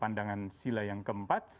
pandangan sila yang keempat